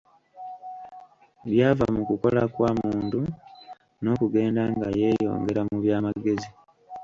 Byava mu kukola kwa muntu n'okugenda nga yeeyongera mu byamagezi.